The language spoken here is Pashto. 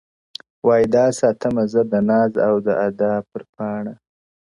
o واى دا ساتمه زه د ناز او د ادا پــــــر پــــــاڼــــــــــــه،